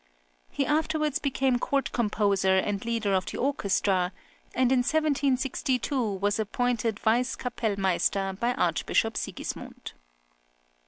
He afterwards became court composer and leader of the orchestra, and in 1762 was appointed Vice Kapellmeister by Archbishop Sigismund.